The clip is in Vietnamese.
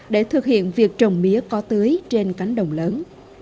để thực hiện việc trồng mía có tưới trên cánh đồng lớn